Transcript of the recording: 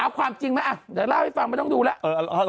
เอาความจริงมาจะเล่าให้ฟังมาต้องดูแล้ว